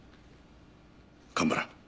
蒲原。